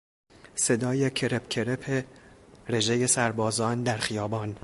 صدای کرپ کرپ رژهی سربازان در خیابان